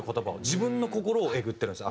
自分の心をえぐってるんですよ